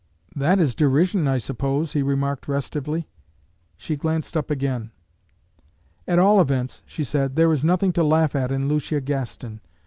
"That is derision, I suppose," he remarked restively. She glanced up again. "At all events," she said, "there is nothing to laugh at in Lucia Gaston.